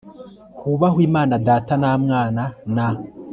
hubahwe imana data na mwana na